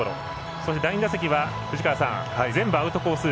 そして第２打席は全部アウトコース